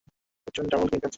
Arjun double game খেলেছে।